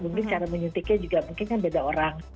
mungkin cara menyuntiknya juga mungkin kan beda orang